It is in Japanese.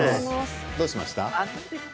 どうしました？